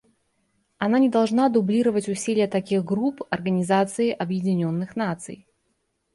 Она не должна дублировать усилия таких групп Организации Объединенных Наций.